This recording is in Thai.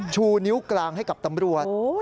ชูนิ้วกลางให้กับตำรวจ